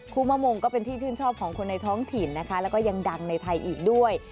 มะมงก็เป็นที่ชื่นชอบของคนในท้องถิ่นนะคะแล้วก็ยังดังในไทยอีกด้วย